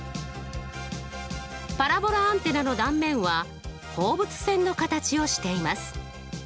パラボラアンテナの断面は放物線の形をしています。